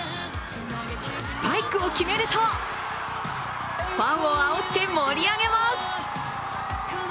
スパイクを決めると、ファンをあおって盛り上げます。